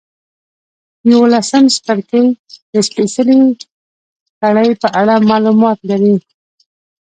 یوولسم څپرکی د سپېڅلې کړۍ په اړه معلومات لري.